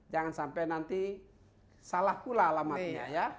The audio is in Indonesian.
jangan sampai nanti salah pula alamatnya ya